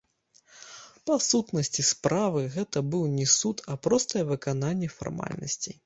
Па сутнасці справы, гэта быў не суд, а простае выкананне фармальнасцей.